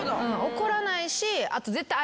怒らないしあと。